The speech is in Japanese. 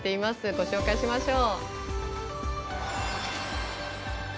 ご紹介しましょう。